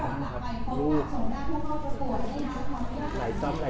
ไหลซ้อนไหลซ้อนมากเหมือนให้กำเนินใจข้างใน